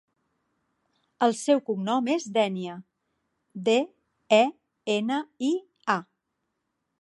El seu cognom és Denia: de, e, ena, i, a.